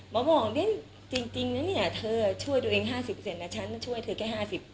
มอบอบแบบจริงนี่ไงช่วยตัวเอง๕๐นะชั้นก็ช่วยเธอแค่๕๐